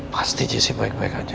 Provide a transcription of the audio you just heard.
pasti jessi baik baik aja